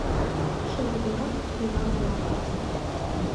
Шемгорак Тӧра-влак